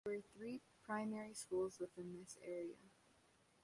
There were three primary schools within this area.